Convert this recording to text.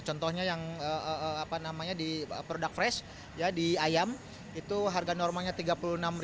contohnya yang produk fresh di ayam itu harga normalnya rp tiga puluh enam